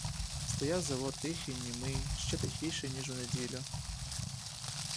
Стояв завод тихий, німий, ще тихіший, ніж у неділю.